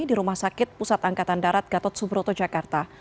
di rumah sakit pusat angkatan darat gatot subroto jakarta